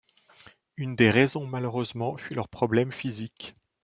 Une des raisons malheureusement fut leurs problèmes physiques.